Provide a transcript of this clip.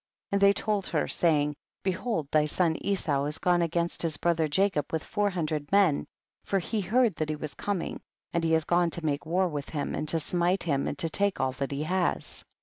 70. And they told her, saying, be hold thy son Esau has gone against his brother Jacob with four hundred men, for he heard that he was com ing, and he is gone to make war with him, and to smite him and to take all that he has.